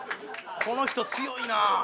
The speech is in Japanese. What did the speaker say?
この人強いな。